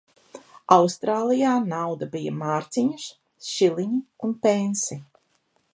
Austrālijā nauda bija mārciņas, šiliņi un pensi.